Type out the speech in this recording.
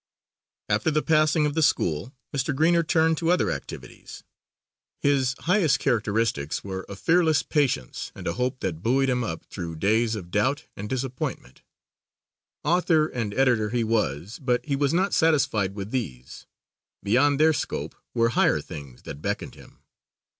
After the passing of the school, Mr. Greener turned to other activities. His highest characteristics were a fearless patience and a hope that buoyed him up through days of doubt and disappointment. Author and editor he was, but he was not satisfied with these. Beyond their scope were higher things that beckoned him.